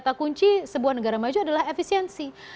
kata kunci sebuah negara maju adalah efisiensi